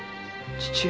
父上！